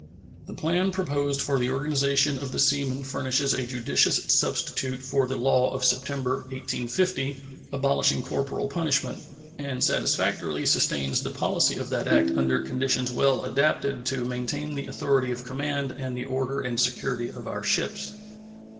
The plan proposed for the organization of the seamen furnishes a judicious substitute for the law of September, 1850, abolishing corporal punishment, and satisfactorily sustains the policy of that act under conditions well adapted to maintain the authority of command and the order and security of our ships.